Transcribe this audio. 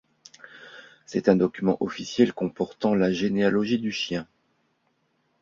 C'est un document officiel comportant la généalogie du chien.